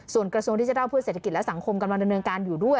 ส่วนกระทรวงดิจิทัลเพื่อเศรษฐกิจและสังคมกำลังดำเนินการอยู่ด้วย